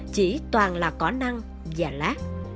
chỉ toàn là cỏ năng và lá